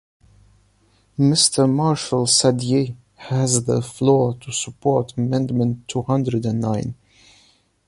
Mr Martial Saddier has the floor to support amendment two hundred and nine.